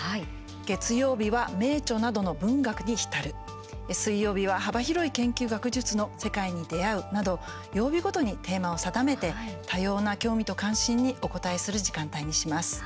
月曜日は名著などの文学に浸る水曜日は幅広い研究、学術の世界に出会うなど曜日ごとにテーマを定めて多様な興味と関心にお応えする時間帯にします。